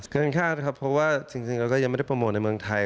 คาดนะครับเพราะว่าจริงเราก็ยังไม่ได้โปรโมทในเมืองไทย